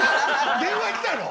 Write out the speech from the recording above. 電話来たの？